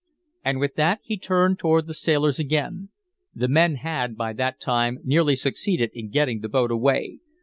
And with that he turned toward the sailors again; the men had by that time nearly succeeded in getting the boat away.